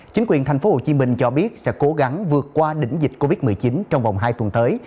chính quyền tp hcm cho biết sẽ cố gắng vượt qua đỉnh dịch covid một mươi chín trong vòng hai tuần tới